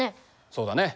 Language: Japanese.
そうだね。